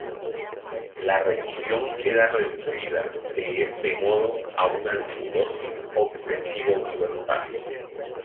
La religión queda reducida de este modo a una neurosis obsesiva universal.